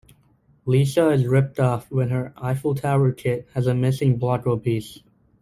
Lisa is ripped off when her Eiffel Tower kit has a missing Blocko piece.